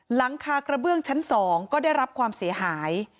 หลังคากระเบื้องชั้น๒ก็ได้รับความเสียหาย